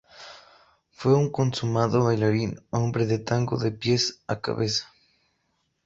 Fue un consumado bailarín, hombre de tango de pies a cabeza.